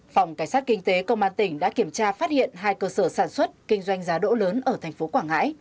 phòng cảnh sát kinh tế công an tỉnh đã kiểm tra phát hiện hai cơ sở sản xuất kinh doanh giá đỗ lớn ở thành phố quảng ngãi